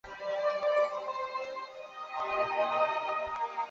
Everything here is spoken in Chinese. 尊贤馆的营运是台大第一次办理委外经营。